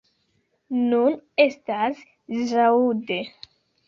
Nun estas ĵaŭde.